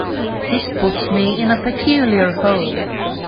This puts me in a peculiar hole.